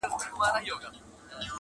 د زمري داسي تابع وو لکه مړی-